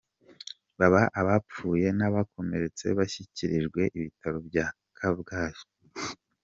Baba abapfuye n’abakomeretse bashyikirijwe ibitaro bya Kabgayi.